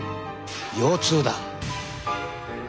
腰痛だ！